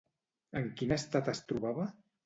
En quin estat es trobava?